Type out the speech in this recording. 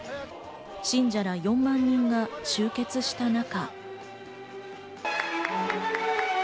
信者ら４万人が集結した中。